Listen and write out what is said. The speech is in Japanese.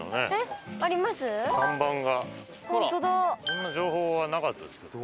そんな情報はなかったですけど。